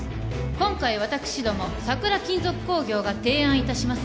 今回私ども桜金属工業が提案いたします